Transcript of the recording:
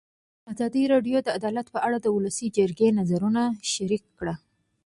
ازادي راډیو د عدالت په اړه د ولسي جرګې نظرونه شریک کړي.